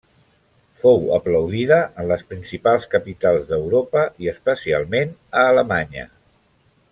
Fou aplaudida en les principals capitals d'Europa i especialment a Alemanya.